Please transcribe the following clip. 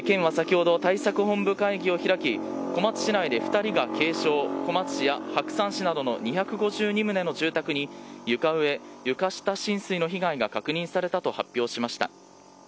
県は先ほど、対策本部会議を開き小松市内で２人が軽傷小松市や白山市などの２５２棟の住宅に床上床下浸水などの被害が確認されたと発表しました。